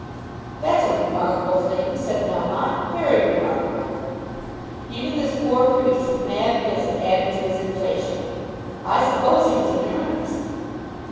"That's a remarkable thing," said Melmotte, "very remarkable." Even this poor priest's mad visit added to his inflation. "I suppose he was in earnest."